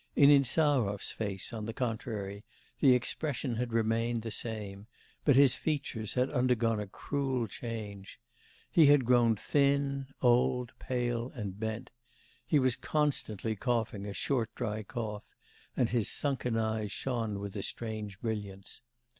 In Insarov's face, on the contrary, the expression had remained the same, but his features had undergone a cruel change. He had grown thin, old, pale and bent; he was constantly coughing a short dry cough, and his sunken eyes shone with a strange brilliance.